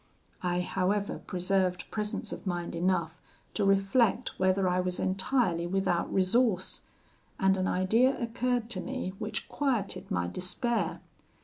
I however preserved presence of mind enough to reflect whether I was entirely without resource, and an idea occurred to me which quieted my despair.